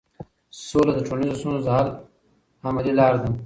سوله د ټولنیزو ستونزو د حل عملي لار ده.